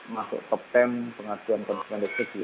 masuk ke tem pengasuhan konsumen listrik